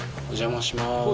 お邪魔します。